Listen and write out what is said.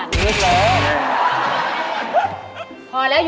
ทุกตัว